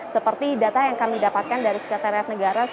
seperti data yang kami dapatkan dari sekretariat negara